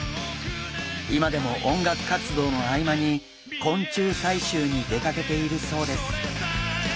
今でも音楽活動の合間に昆虫採集に出かけているそうです。